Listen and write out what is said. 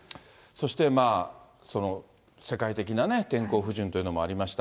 そして、世界的なね、天候不順というのもありました。